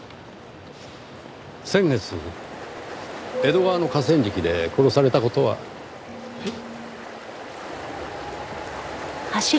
先月江戸川の河川敷で殺された事は？えっ！